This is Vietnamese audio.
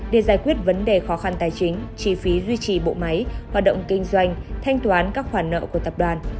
để giải quyết vấn đề khó khăn tài chính chi phí duy trì bộ máy hoạt động kinh doanh thanh toán các khoản nợ của tập đoàn